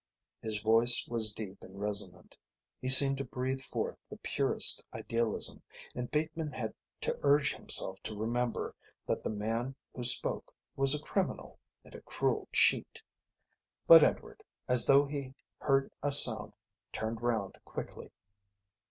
His voice was deep and resonant. He seemed to breathe forth the purest idealism, and Bateman had to urge himself to remember that the man who spoke was a criminal and a cruel cheat. But Edward, as though he heard a sound, turned round quickly.